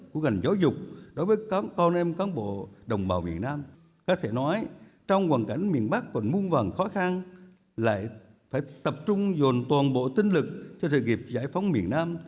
các thầy nói trong hoàn cảnh miền bắc còn muôn vàng khó khăn lại phải tập trung dồn toàn bộ tinh lực cho sự nghiệp giải phóng miền nam